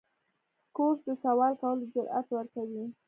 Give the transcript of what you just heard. کورس د سوال کولو جرأت ورکوي.